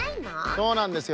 そうなんですよ。